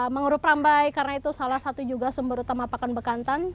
mengurup rambai karena itu salah satu juga sumber utama pakan bekantan